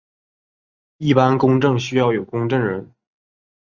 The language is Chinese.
一般公证需要有公证人。